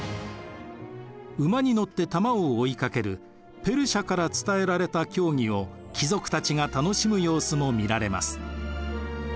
馬に乗って玉を追いかけるペルシアから伝えられた競技を貴族たちが楽しむ様子も見られます。